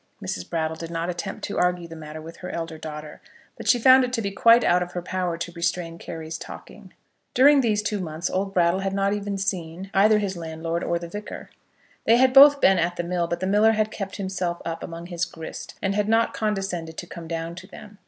Mrs. Brattle did not attempt to argue the matter with her elder daughter, but she found it to be quite out of her power to restrain Carry's talking. During these two months old Brattle had not even seen either his landlord or the Vicar. They had both been at the mill, but the miller had kept himself up among his grist, and had not condescended to come down to them.